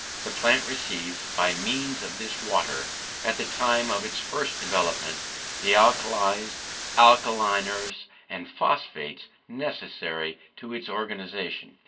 The plant receives, by means of this water, at the time of its first development, the alkalies, alkaline earths, and phosphates, necessary to its organization.